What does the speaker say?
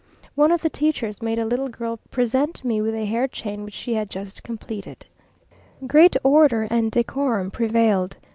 One of the teachers made a little girl present me with a hair chain which she had just completed. Great order and decorum prevailed.